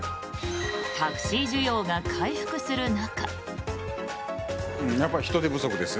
タクシー需要が回復する中。